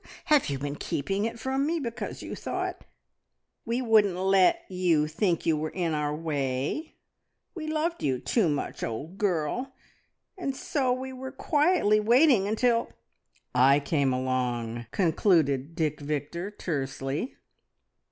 Have you been keeping it from me because you thought " "We wouldn't let you think you were in our way; we loved you too much, old girl, so we were quietly waiting until " "I came along!" concluded Dick Victor tersely.